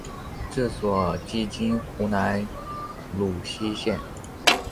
治所即今湖南泸溪县。